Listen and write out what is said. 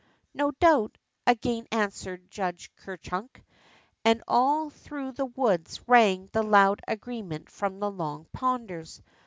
Ho doubt!" again answered Judge Ker Chunk. And all through the woods rang the loud agree ment from the Long Ponders.